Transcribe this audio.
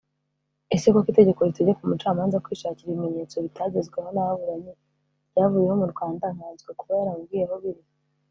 (Ese koko itegeko ritegeka umucamanza kwishakira ibimenyetso bitagezweho n’ababuranyi ryavuyeho mu Rwanda nkanswe kuba yaramubwiye aho biri